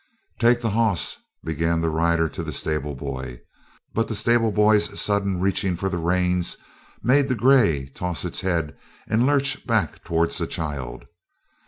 "Take the hoss " began the rider to the stable boy. But the stable boy's sudden reaching for the reins made the grey toss its head and lurch back towards the child.